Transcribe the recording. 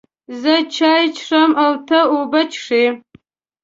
زه چای څښم او ته اوبه څښې